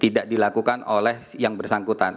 tidak dilakukan oleh yang bersangkutan